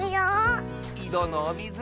いどのおみず